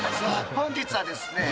本日はですね